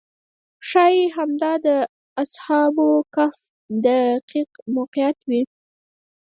ښایي همدا د اصحاب کهف دقیق موقعیت وي.